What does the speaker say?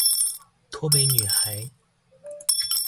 脫北女孩